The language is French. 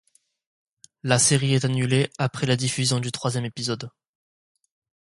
La série est annulée après la diffusion du troisième épisode.